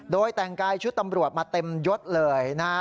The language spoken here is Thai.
โดยแต่งกายชุดตำรวจมาเต็มยดเลยนะฮะ